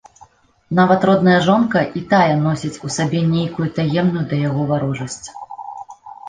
Нават родная жонка і тая носіць у сабе нейкую таемную да яго варожасць.